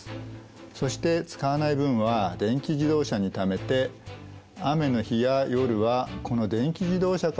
そして使わない分は電気自動車にためて雨の日や夜はこの電気自動車から電気を供給しています。